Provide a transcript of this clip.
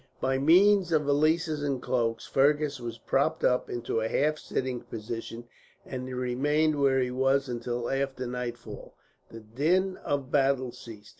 By means of the valises and cloaks, Fergus was propped up into a half sitting position; and he remained where he was until, after nightfall, the din of battle ceased.